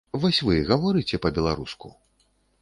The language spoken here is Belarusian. Вось вы гаворыце па-беларуску?